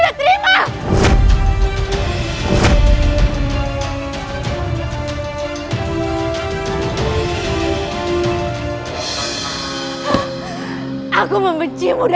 lebih baik aku mati